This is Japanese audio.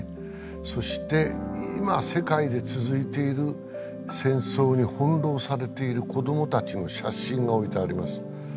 そして今世界で続いている戦争に翻弄されている子どもたちの写真が置いてあります